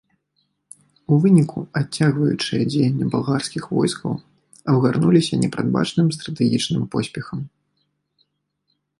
У выніку адцягваючыя дзеянні балгарскіх войскаў абгарнуліся непрадбачаным стратэгічным поспехам.